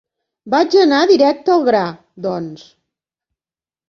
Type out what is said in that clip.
Vaig anar directe al gra, doncs.